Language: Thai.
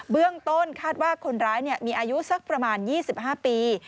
เบื้องต้นคาดว่าคนร้ายมีอายุสักประมาณ๒๕ปี